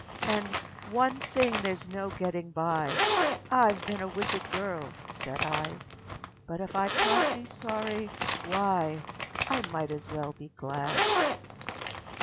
And, âOne thing thereâs no getting by Iâve been a wicked girl,â said I; âBut if I canât be sorry, why, I might as well be glad!